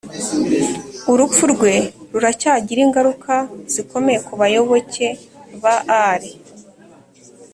urupfu rwe ruracyagira ingaruka zikomeye ku bayoboke ba ʽalī (shīʽat ʽalī)